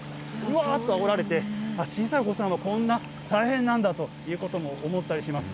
うわーっとあおられて、小さいお子さんはこんな大変なんだと思ったりします。